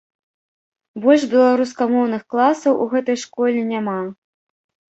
Больш беларускамоўных класаў у гэтай школе няма.